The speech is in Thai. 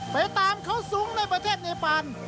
ไปตามเขาสูงในประเทศเนปาน